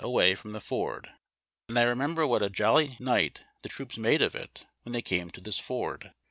345 away from tlie ford ; and I remember what a jolly night the troops made of it when they came to this ford.